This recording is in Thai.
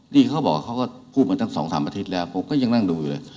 นี่เขาบอกพูดมากันตั้งสอง๓อาทิตย์แล้วก็ยังดูอยู่เลย